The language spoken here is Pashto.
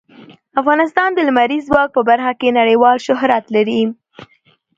افغانستان د لمریز ځواک په برخه کې نړیوال شهرت لري.